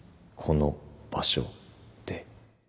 「この」「場所」「で」